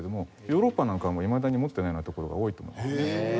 ヨーロッパなんかはいまだに持っていないようなところが多いと思います。